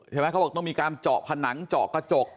เขาบอกต้องมีการเจาะผนังเจาะกระจก